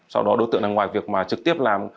sau đó đối tượng ngoài việc trực tiếp làm